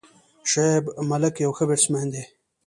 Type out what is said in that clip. شعیب ملک یو ښه بیټسمېن دئ.